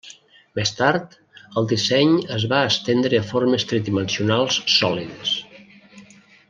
Més tard, el disseny es va estendre a formes tridimensionals sòlides.